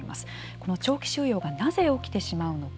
この長期収容がなぜ起きてしまうのか。